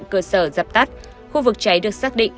cơ sở dập tắt khu vực cháy được xác định